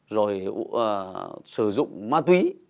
rồi sử dụng ma túy